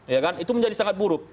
ya kan itu menjadi sangat buruk